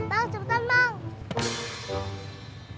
bang cepetan bang